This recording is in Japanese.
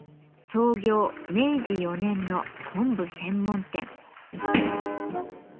創業明治４年の昆布専門店。